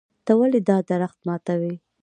ته ولې دا درخت ماتوې.